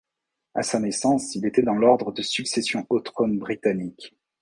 À sa naissance, il était dans l'ordre de succession au trône britannique.